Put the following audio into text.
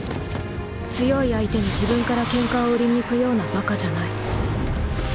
強い相手に自分からケンカを売りにいくようなバカじゃない。